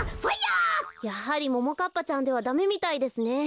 やはりももかっぱちゃんではダメみたいですね。